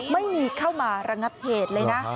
ไม่มีเข้ามาระงับเหตุเลยนะ